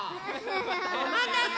おまたせ！